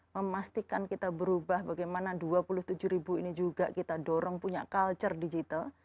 memastikan kita berubah bagaimana dua puluh tujuh ribu ini juga kita dorong punya culture digital